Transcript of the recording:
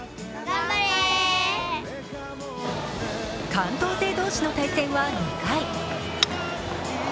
関東勢同士の対戦は２回。